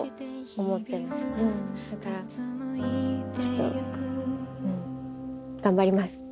だからちょっと頑張ります。